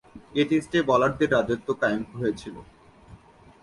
এ টেস্টে বোলারদের রাজত্ব কায়েম হয়েছিল।